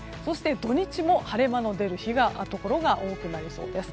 土日も晴れ間の出るところが多くなりそうです。